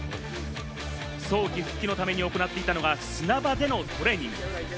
早期復帰のために行っていたのは、砂場でのトレーニング。